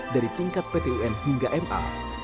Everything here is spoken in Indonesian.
dari tingkat ptun hingga ma